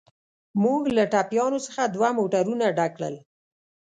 موږ له ټپیانو څخه دوه موټرونه ډک کړل.